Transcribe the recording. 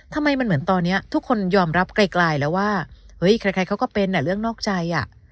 ทำไมมันเหมือนตอนนี้ทุกคนยอมรับไกลแล้วว่าเฮ้ยใครเขาก็เป็นเรื่องนอกใจอ่ะ